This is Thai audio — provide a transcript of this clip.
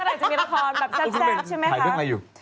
เออใช่เมื่อไหร่จะมีลลคอนแสบถ่ายอยู่